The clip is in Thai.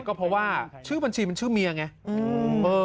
ก็เพราะว่าชื่อบัญชีมันชื่อเมียไง